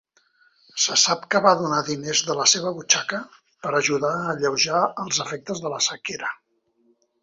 Se sap que va donar diners de la seva butxaca per ajudar a alleujar els efectes de la sequera.